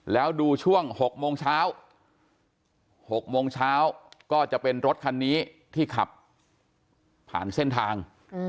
แล้วดูช่วง๖โมงเช้า๖โมงเช้าก็จะเป็นรถคันนี้ที่ขับผ่านเส้นทาง